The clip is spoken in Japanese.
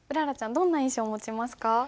どんな印象を持ちますか？